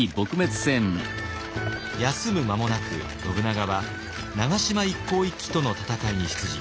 休む間もなく信長は長島一向一揆との戦いに出陣。